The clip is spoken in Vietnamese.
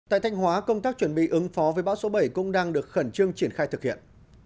tại thanh hóa công tác chuẩn bị ứng phó với bão số bảy cũng đang được khẩn trương triển khai thực hiện